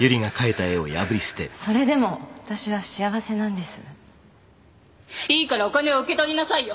それでも私は幸せなんですいいからお金を受け取りなさいよ